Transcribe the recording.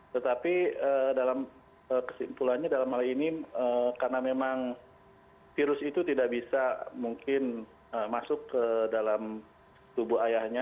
tetapi dalam kesimpulannya dalam hal ini karena memang virus itu tidak bisa mungkin masuk ke dalam tubuh ayahnya